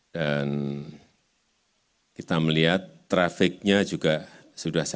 dan kita melihat trafiknya juga sudah selesai